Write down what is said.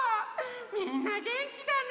みんなげんきだね！